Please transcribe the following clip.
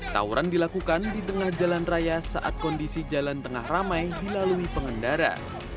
tawuran dilakukan di tengah jalan raya saat kondisi jalan tengah ramai dilalui pengendara